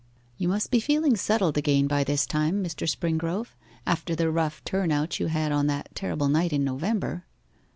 'You must be feeling settled again by this time, Mr. Springrove, after the rough turn out you had on that terrible night in November.